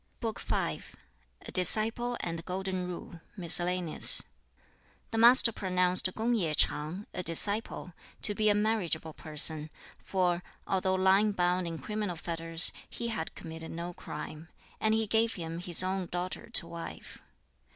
BOOK V A Disciple and the Golden Rule Miscellaneous The Master pronounced Kung ye Ch'ang, a disciple, to be a marriageable person; for although lying bound in criminal fetters he had committed no crime. And he gave him his own daughter to wife.